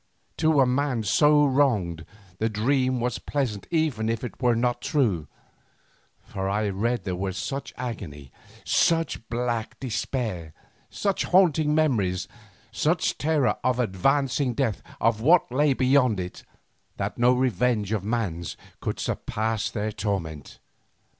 To a man so wronged the dream was pleasant even if it were not true, for I read there such agony, such black despair, such haunting memories, such terror of advancing death and of what lay beyond it, that no revenge of man's could surpass their torment.